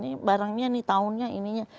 ini barangnya nih tahunnya ininya